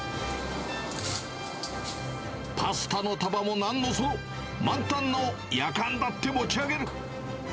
パスタの束もなんのその、満タンのやかんだって持ち上げる。